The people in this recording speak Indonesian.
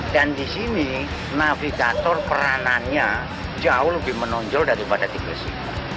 dan di sini navigator peranannya jauh lebih menonjol daripada di gresik